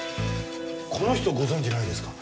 この人ご存じないですか？